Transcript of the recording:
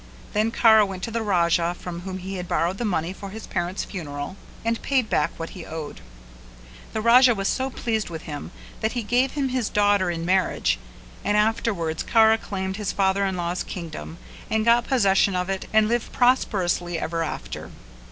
Then Kara went to the Raja from whom he had borrowed the money for his parents' funerals and paid back what he owed. The Raja was so pleased with him that he gave him his daughter in marriage and afterwards Kara claimed his father in law's kingdom and got possession of it and lived prosperously ever after.